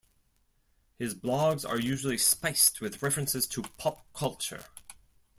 His blogs are usually spiced with references to pop culture.